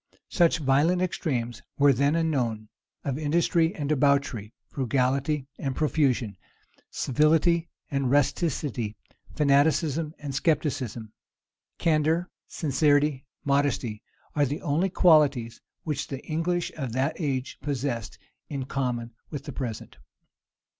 Such violent extremes were then unknown, of industry and debauchery, frugality and profusion, civility and rusticity, fanaticism and scepticism. Candor, sincerity, modesty, are the only qualities which the English of that age possessed in common with the present.